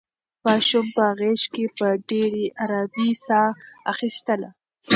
ماشوم په غېږ کې په ډېرې ارامۍ ساه اخیستله.